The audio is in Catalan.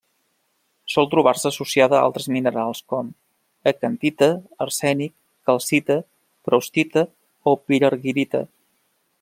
Sol trobar-se associada a altres minerals com: acantita, arsènic, calcita, proustita o pirargirita.